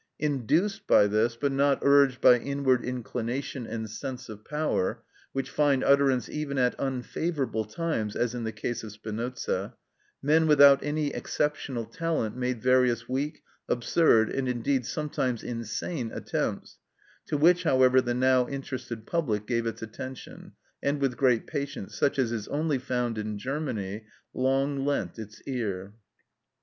Induced by this, but not urged by inward inclination and sense of power (which find utterance even at unfavourable times, as in the case of Spinoza), men without any exceptional talent made various weak, absurd, and indeed sometimes insane, attempts, to which, however, the now interested public gave its attention, and with great patience, such as is only found in Germany, long lent its ear.